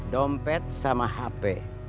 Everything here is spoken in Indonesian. dompet sama hp